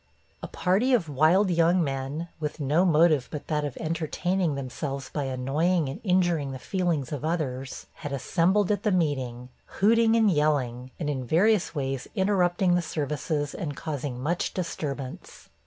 A party of wild young men, with no motive but that of entertaining themselves by annoying and injuring the feelings of others, had assembled at the meeting, hooting and yelling, and in various ways interrupting the services, and causing much disturbance.